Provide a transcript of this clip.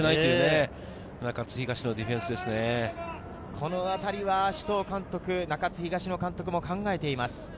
このあたりは首藤監督、中津東の監督も考えています。